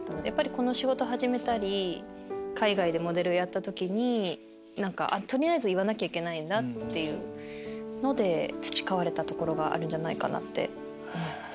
この仕事始めたり海外でモデルやった時に取りあえず言わなきゃいけないんだっていうので培われたところがあるんじゃないかなって思います。